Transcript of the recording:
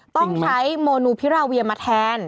ต้องใช้โมนูพิราเวียมาแทน